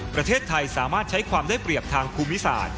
ประเทศไทยสามารถใช้ความได้เปรียบทางภูมิศาสตร์